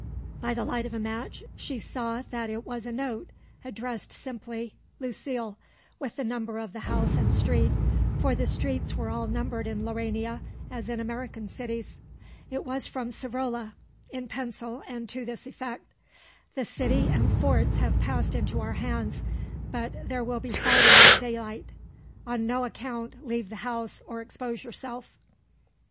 By the light of a match she saw that it was a note addressed simply Lucile with the number of the house and street, for the streets were all numbered in Laurania as in American cities. It was from Savrola, in pencil and to this effect: _The city and forts have passed into our hands, but there will be fighting at daylight. On no account leave the house or expose yourself_.